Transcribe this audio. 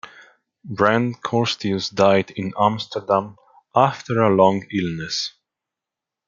Brandt Corstius died in Amsterdam after a long illness.